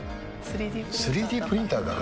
３Ｄプリンター。